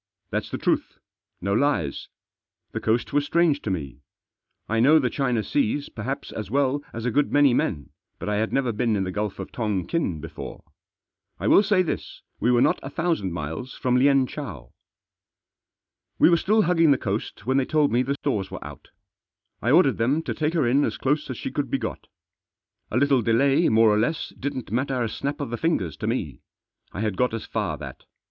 Thaf s the truth. No lies ! The coast was strange to me. I know the China Seas perhaps as well as a good many men, but I had never been in the Gulf of Tongkin before. I will say this, we were not a thousand miles from Lienchow. We were still hugging the coast when they told me the stores were out. I ordered them to take her in as close as she could be got. A little delay more or less didn't matter a snap of the fingers to me. I had got as far that.